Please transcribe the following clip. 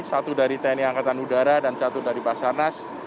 satu dari tni angkatan udara dan satu dari basarnas